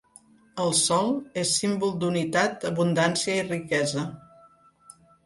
El sol és símbol d'unitat, abundància i riquesa.